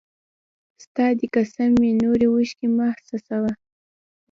ستا! دي قسم وي نوري اوښکي مه څڅوه